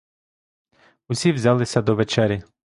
Усі взялися до вечері.